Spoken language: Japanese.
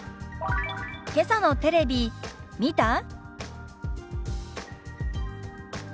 「けさのテレビ見た？」。